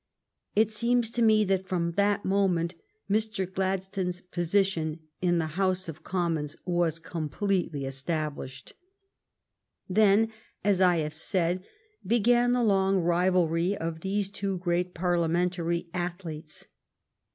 It seems to me that from that moment Mr. Gladstone's position in the House of Commons was completely estab lished. Then, as I have said, began the long rivalry of these two great Parliamentary athletes.